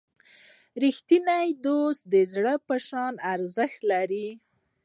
رښتینی دوستي د زرو په شان ارزښت لري.